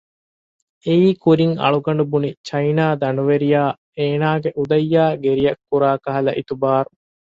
އެއީ ކުރިން އަޅުގަނޑު ބުނި ޗައިނާ ދަނޑުވެރިޔާ އޭނާގެ އުދައްޔާއި ގެރިއަށް ކުރާކަހަލަ އިތުބާރު